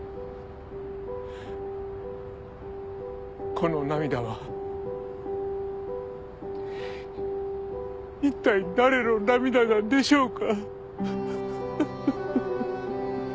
この涙は一体誰の涙なんでしょうか？